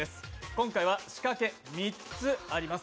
今回は仕掛け３つあります。